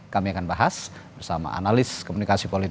kami akan bahas bersama analis komunikasi politik